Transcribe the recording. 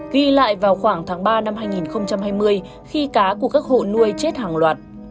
ghi lại vào khoảng tháng ba năm hai nghìn hai mươi khi cá của các hộ nuôi chết hàng loạt